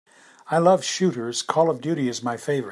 I love shooters, Call of Duty is my favorite.